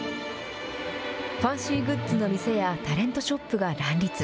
ファンシーグッズの店やタレントショップが乱立。